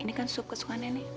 ini kan sup kesukaan nenek